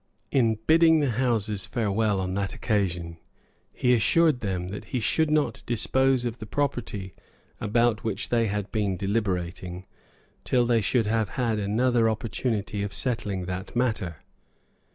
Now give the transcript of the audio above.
In bidding the Houses farewell on that occasion, he assured them that he should not dispose of the property about which they had been deliberating, till they should have had another opportunity of settling that matter.